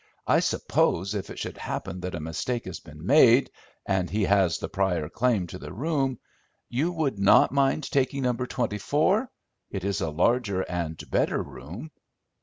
I suppose, if it should happen that a mistake has been made, and he has the prior claim to the room, you would not mind taking No. 24—it is a larger and better room."